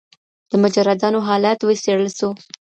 د مجردانو حالت وڅیړل سو.